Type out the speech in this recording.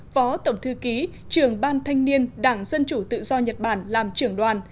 phó tổng thư ký trưởng ban thanh niên đảng dân chủ tự do nhật bản làm trưởng đoàn